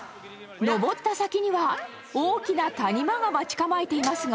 上った先には大きな谷間が待ち構えていますが。